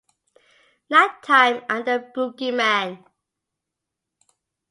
Nighttime" and the "Boogeyman".